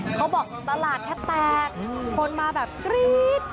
เขาบอกตลาดแทบแตกคนมาแบบกรี๊ด